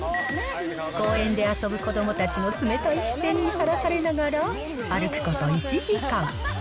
公園で遊ぶ子どもたちの冷たい視線にさらされながら、歩くこと１時間。